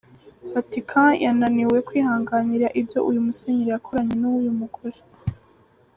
Vatican yananiwe kwihanganira ibyo uyu musenyeri yakoranye n'uyu mugore.